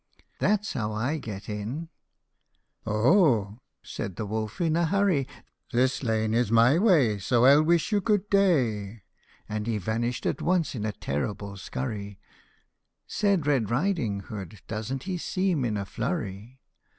That 's how I get in." " Oh !" said wolf, in a hurry, " This lane is my way, So I '11 wish you good day." And he vanished at once in a terrible scurry ; Said Red Riding Hood, " Doesn't he seem in a flurry